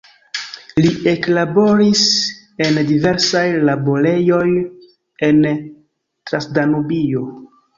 Li eklaboris en diversaj laborejoj en Transdanubio.